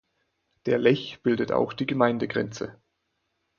Der Lech bildet auch die Gemeindegrenze.